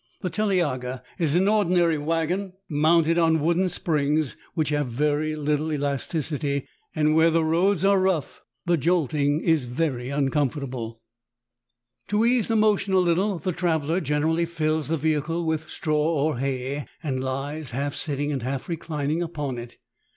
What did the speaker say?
The telyaga is an ordinary wagon, mounted on wooden springs, which have very little elasticity; and, where the roads are rough, the jolting is very uncomfortable. THE serf's revenge. Ill To ease the motion a little, the traveler generally fills the vehicle with straw or hay, and lies, half sitting and half reclining, upon it.